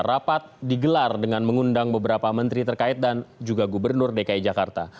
rapat digelar dengan mengundang beberapa menteri terkait dan juga gubernur dki jakarta